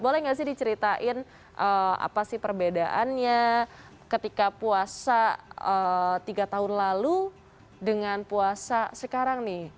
boleh nggak sih diceritain apa sih perbedaannya ketika puasa tiga tahun lalu dengan puasa sekarang nih